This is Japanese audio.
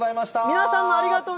皆さんもありがとうね。